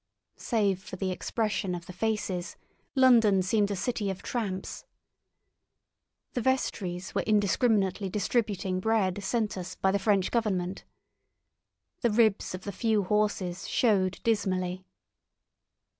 Save for the expression of the faces, London seemed a city of tramps. The vestries were indiscriminately distributing bread sent us by the French government. The ribs of the few horses showed dismally.